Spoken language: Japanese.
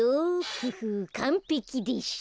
フフッかんぺきでしょ。